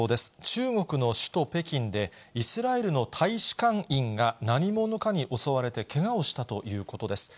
中国の首都北京で、イスラエルの大使館員が何者かに襲われてけがをしたということです。